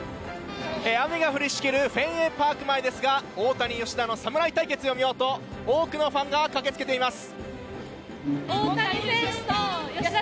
雨が降りしきるフェンウェイパーク前ですが大谷・吉田の侍対決を見ようと多くのファンが駆けつけています。